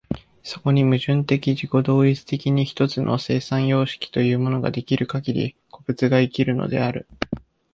そこに矛盾的自己同一的に一つの生産様式というものが出来るかぎり、個物が生きるのである。